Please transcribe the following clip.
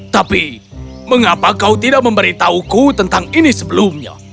tapi mengapa kau tidak memberitahuku tentang ini sebelumnya